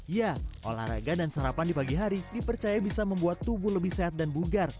ya olahraga dan sarapan di pagi hari dipercaya bisa membuat tubuh lebih sehat dan bugar